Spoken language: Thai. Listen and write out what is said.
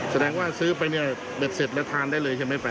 แสดงว่าซื้อไปแล้วแบบเสร็จแล้วทานได้เลยใช่ปะ